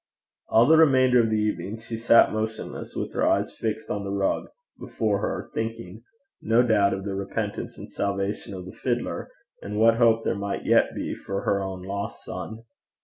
All the remainder of the evening she sat motionless, with her eyes fixed on the rug before her, thinking, no doubt, of the repentance and salvation of the fiddler, and what hope there might yet be for her own lost son.